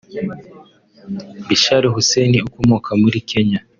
Bichar Hussein ukomoka muri Kenya